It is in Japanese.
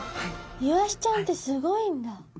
イワシちゃんってすごいんだ。